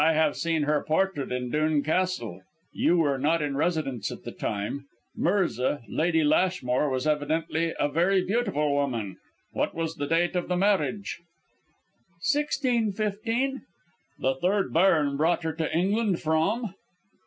"I have seen her portrait in Dhoon Castle; you were not in residence at the time. Mirza, Lady Lashmore, was evidently a very beautiful woman. What was the date of the marriage?" "1615." "The third Baron brought her to England from?